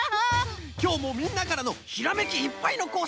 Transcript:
きょうもみんなからのひらめきいっぱいのこうさく